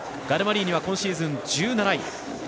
ガルマリーニ今シーズン、１７位。